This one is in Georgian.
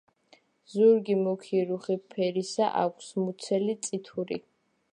ზურგი მუქი რუხი ფერისა აქვს, მუცელი წითური.